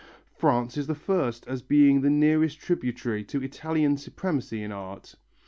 France is the first as being the nearest tributary to Italian supremacy in art.